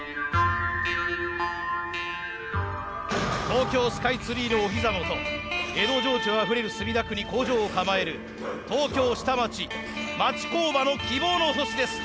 東京スカイツリーのお膝元江戸情緒あふれる墨田区に工場を構える東京下町町工場の希望の星です。